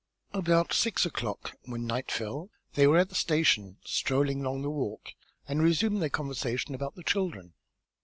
About six o'clock, when night fell, they were at the station, strolling along the walk, and resumed their conversation about the children.